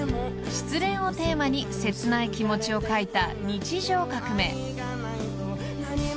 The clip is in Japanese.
［失恋をテーマに切ない気持ちを書いた］